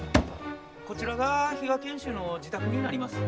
・こちらが比嘉賢秀の自宅になります。